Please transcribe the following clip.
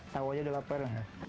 tawanya udah lapar